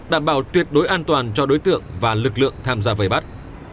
đảm bảo tuyệt đối an toàn cho đối tượng và lực lượng tham gia vây bắt